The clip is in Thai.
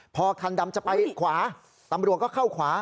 พอคันดำจะไปขวาตำรวจก็เข้าขวา